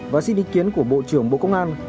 và xin ý kiến của bộ trưởng bộ công an